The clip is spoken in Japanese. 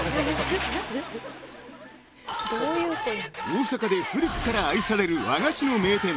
［大阪で古くから愛される和菓子の名店］